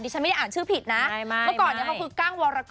ฉันไม่ได้อ่านชื่อผิดนะเมื่อก่อนเนี่ยเขาคือกั้งวรกร